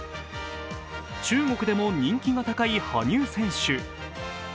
中国でも人気が高い羽生選手。